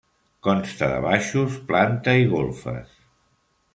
Consta de baixos, planta i golfes.